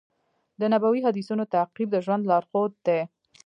د نبوي حدیثونو تعقیب د ژوند لارښود دی.